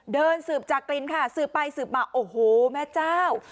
เดินสืบจากกลิ่นค่ะสืบไปสืบมาโอ้โหแม่เจ้า